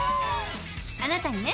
あなたにね